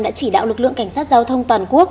đã chỉ đạo lực lượng cảnh sát giao thông toàn quốc